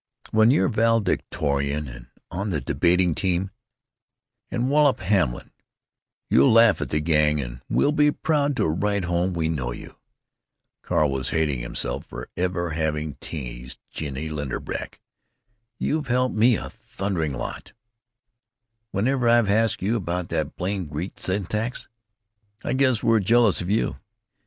When you're valedictorian and on the debating team and wallop Hamlin you'll laugh at the Gang, and we'll be proud to write home we know you." Carl was hating himself for ever having teased Genie Linderbeck. "You've helped me a thundering lot whenever I've asked you about that blame Greek syntax. I guess we're jealous of you.